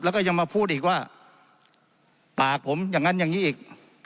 แล้วก็ยังมาพูดอีกว่าปากผมอย่างนั้นอย่างนี้อีก